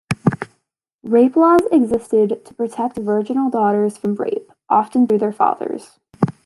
Rape laws existed to protect virginal daughters from rape, often through their fathers.